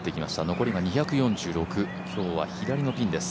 残りが２４６、今日は左のピンです。